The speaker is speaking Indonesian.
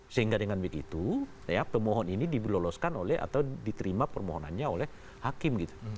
sehingga dengan begitu ya pemohon ini diloloskan oleh atau diterima permohonannya oleh hakim gitu